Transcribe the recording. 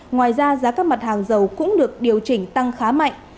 ngoài ra giá các mặt hàng dầu cũng được điều chỉnh tăng khá mạnh